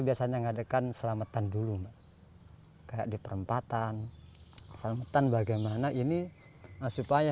biasanya ngadekan selamatan dulu mbak kayak di perempatan selamatan bagaimana ini supaya